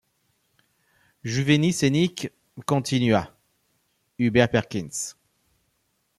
Juveni senique… continua Hubert Perkins.